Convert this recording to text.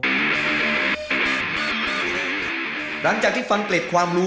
หลังจากที่ฟังเกล็ดความรู้